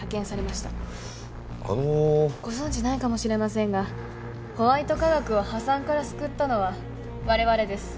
ご存じないかもしれませんがホワイト化学を破産から救ったのは我々です。